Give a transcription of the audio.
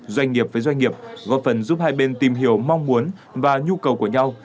doanh nghiệp với doanh nghiệp góp phần giúp hai bên tìm hiểu mong muốn và nhu cầu của nhau